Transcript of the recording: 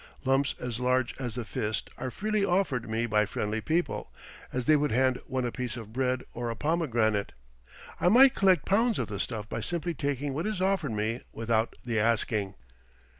Lumps as large as the fist are freely offered me by friendly people, as they would hand one a piece of bread or a pomegranate; I might collect pounds of the stuff by simply taking what is offered me without the asking.